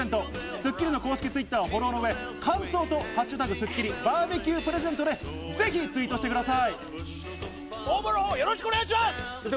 『スッキリ』の公式Ｔｗｉｔｔｅｒをフォローの上、感想と「＃スッキリＢＢＱプレゼント」でぜひツイートしてください。